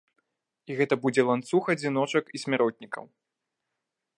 І гэта будзе ланцуг адзіночак і смяротнікаў.